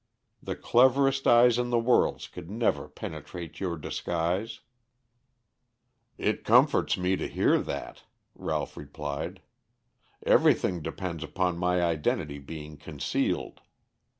The cleverest eyes in the world could never penetrate your disguise." "It comforts me to hear that," Ralph replied. "Everything depends upon my identity being concealed.